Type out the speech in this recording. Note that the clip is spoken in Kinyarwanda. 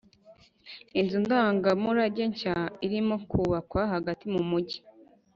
inzu ndangamurage nshya irimo kubakwa hagati mu mujyi